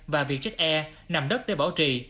và vietjet air nằm đất để bỏ trì